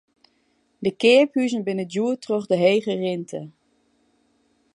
De keaphuzen binne djoer troch de hege rinte.